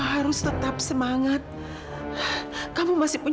haris gak bisa bu